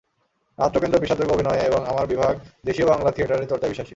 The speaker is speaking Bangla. নাট্যকেন্দ্র বিশ্বাসযোগ্য অভিনয়ে এবং আমার বিভাগ দেশীয় বাংলা থিয়েটারের চর্চায় বিশ্বাসী।